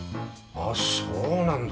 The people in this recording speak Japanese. あそうなんだ。